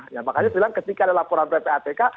ya makanya bilang ketika ada laporan ppatk